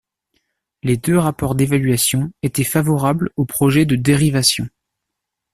Les deux rapports d'évaluation étaient favorables au projet de dérivation.